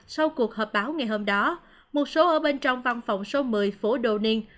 sau cuộc họp báo ngày hôm đó một số ở bên trong văn phòng số một mươi phố dunning